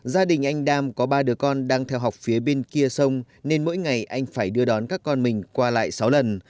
gia đình anh đam có ba đứa con đang theo học phía bên kia sông nên mỗi ngày anh phải đưa đón các con mình qua lại sáu lần